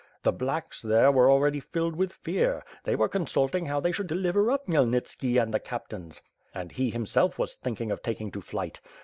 The 'blacks' there were already filled with fear; they were con sulting how they should deliver up Khmyelnitski and the captains; and he, himself, was thinking of taking to flight.